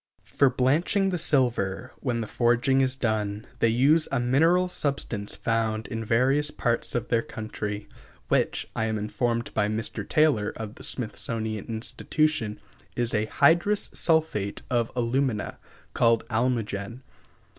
For blanching the silver, when the forging is done, they use a mineral substance found in various parts of their country, which, I am informed by Mr. Taylor, of the Smithsonian Institution, is a "hydrous sulphate of alumina," called almogen.